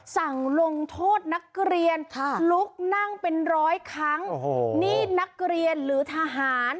สั่งลงโทษนักเรียนค่ะลุกนั่งเป็นร้อยครั้งโอ้โหนี่นักเรียนหรือทหาร